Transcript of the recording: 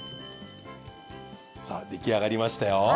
さぁ出来上がりましたよ。